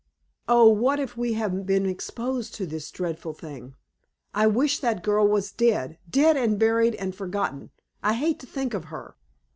Oh! what if we have been exposed to this dreadful thing! I wish that girl was dead dead and buried and forgotten. I hate to think of her."